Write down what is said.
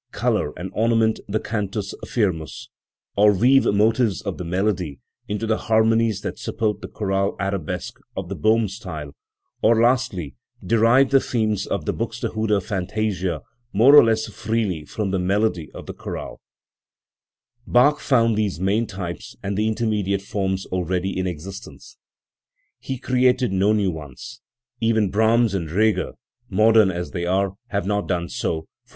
colour and ornament the cantus firmus, or weave motives of the melody into the harmonies that support the chorale arabesque in the Bohm style, or, lastly, derive the themes of the Buxtehude fantasia more or less freely from the melody of the chorale. Bach found these main types and the intermediate forms already in existence. He created no new ones; even Brahms and Reger, modern as they are, have not done so, for.